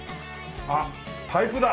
あっパイプだ。